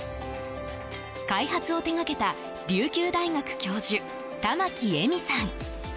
開発を手掛けた琉球大学教授、玉城絵美さん。